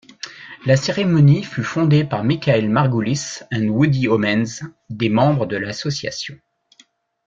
La cérémonie fut fondée par Michael Margulies et Woody Omens, des membres de l'association.